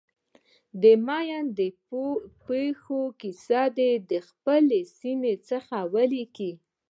د ماین د پېښو کیسې دې د خپلې سیمې څخه ولیکي.